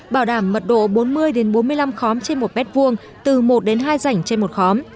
bảo đảm mật độ bốn mươi bốn mươi năm khóm trên một mét vuông từ một hai rảnh trên một khóm